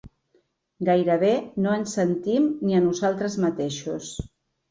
Gairebé no ens sentim ni a nosaltres mateixos.